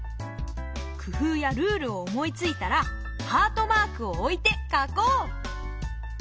工夫やルールを思いついたらハートマークを置いて書こう！